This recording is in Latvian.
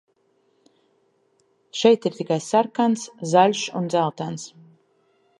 Šeit ir tikai sarkans, zaļš un dzeltens.